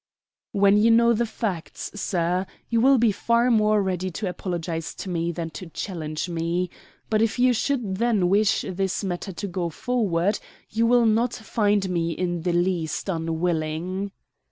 "When you know the facts, sir, you will be far more ready to apologize to me than to challenge me. But if you should then wish this matter to go forward, you will not find me in the least unwilling."